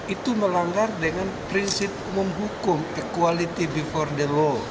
itu melanggar dengan prinsip menghukum equality before the law